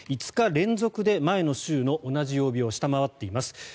５日連続で前の週の同じ曜日を下回っています。